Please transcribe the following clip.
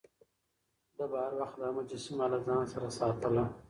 ده به هر وخت دا مجسمه له ځان سره ساتله.